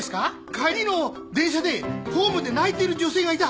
帰りの電車でホームで泣いている女性がいた。